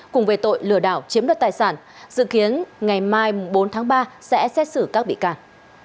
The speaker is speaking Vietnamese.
cùng về tội lừa đảo chiếm đất tài sản dự kiến ngày mai bốn tháng ba sẽ xét xử các bị can